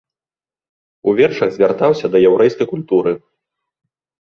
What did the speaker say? У вершах звяртаўся да яўрэйскай культуры.